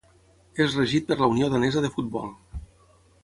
És regit per la Unió Danesa de Futbol.